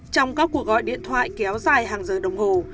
trong các cuộc gọi điện thoại kéo dài hàng giờ đồng hồ